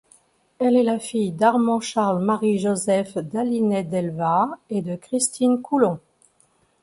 Elle est la fille d'Armand Charles Marie Joseph d'Aliney d'Elva et de Christine Coulon.